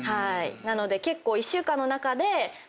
なので結構。